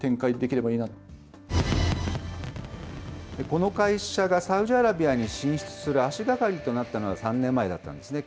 この会社がサウジアラビアに進出する足がかりとなったのは、３年前だったんですね。